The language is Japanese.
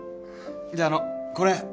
じゃああのうこれ。